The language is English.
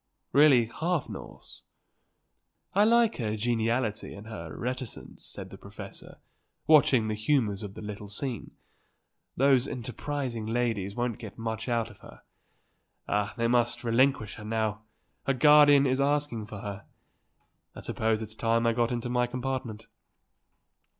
"Really half Norse." "I like her geniality and her reticence," said the professor, watching the humours of the little scene. "Those enterprising ladies won't get much out of her. Ah, they must relinquish her now; her guardian is asking for her. I suppose it's time that I got into my compartment."